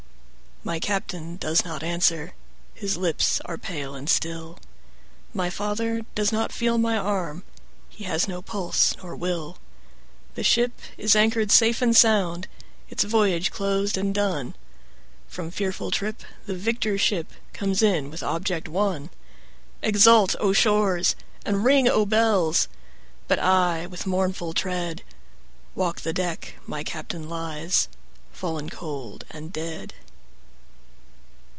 My Captain does not answer, his lips are pale and still, My father does not feel my arm, he has no pulse nor will; The ship is anchor'd safe and sound, its voyage closed and done, From fearful trip the victor ship comes in with object won; 20 Exult, O shores! and ring, O bells! But I, with mournful tread, Walk the deck my Captain lies, Fallen cold and dead.